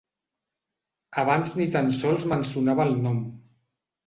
Abans ni tan sols me'n sonava el nom.